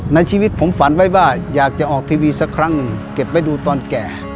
ในชีวิตผมฝันไว้ว่าอยากจะออกทีวีสักครั้งหนึ่งเก็บไว้ดูตอนแก่